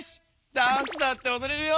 ダンスだっておどれるよ！